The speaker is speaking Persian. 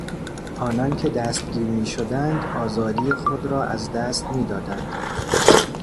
آنان که دستگیر میشدند آزادی خود را از دست میدادند.